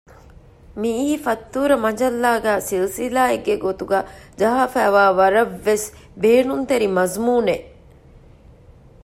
މިއީ ފަތްތޫރަ މަޖައްލާގައި ސިލްސިލާއެއްގެ ގޮތުގައި ޖަހައިފައިވާ ވަރަށް ވެސް ބޭނުންތެރި މަޒުމޫނެއް